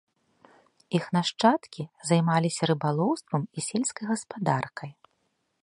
Іх нашчадкі займаліся рыбалоўствам і сельскай гаспадаркай.